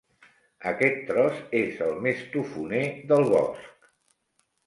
Aquest tros és el més tofoner del bosc.